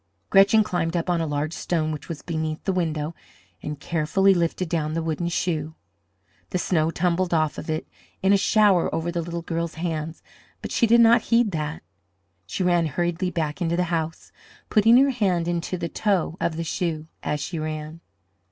Gretchen climbed up on a large stone which was beneath the window and carefully lifted down the wooden shoe. The snow tumbled off of it in a shower over the little girl's hands, but she did not heed that; she ran hurriedly back into the house, putting her hand into the toe of the shoe as she ran.